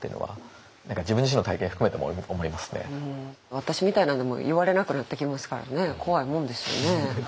私みたいなんでも言われなくなってきますからね怖いもんですよね。